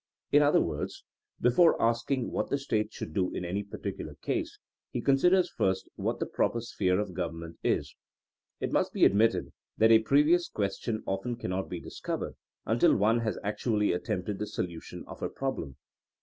In other words, before asking what the State should do in any particu lar case, he considers first what the proper sphere of government is. It must be admitted that a previous question often cannot be dis covered until one has actually attempted the solution of a problem.